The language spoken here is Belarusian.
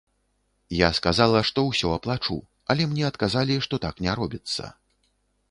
Я сказала, што ўсё аплачу, але мне адказалі, што так не робіцца.